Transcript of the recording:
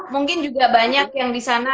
mungkin juga banyak yang disana